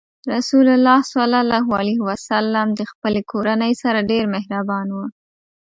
رسول الله ﷺ د خپلې کورنۍ سره ډېر مهربان و.